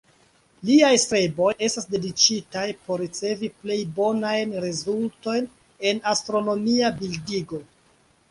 Liaj streboj estas dediĉitaj por ricevi plej bonajn rezultojn en astronomia bildigo.